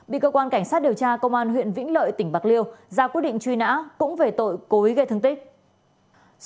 bị cơ quan cảnh sát điều tra công an huyện vĩnh lợi tỉnh bạc liêu ra quyết định truy nã cũng về tội cố ý gây thương tích